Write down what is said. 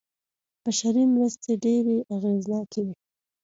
بشري مرستې ډېرې اغېزناکې وې.